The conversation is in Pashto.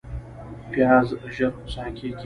پیاز ژر خوسا کېږي